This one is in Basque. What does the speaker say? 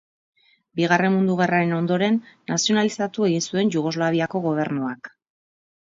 Bigarren Mundu Gerraren ondoren nazionalizatu egin zuen Jugoslaviako gobernuak.